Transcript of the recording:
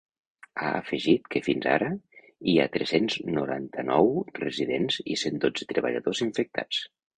Ha afegit que fins ara hi ha tres-cents noranta-nou residents i cent dotze treballadors infectats.